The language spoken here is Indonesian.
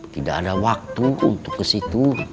tidak ada waktu untuk ke situ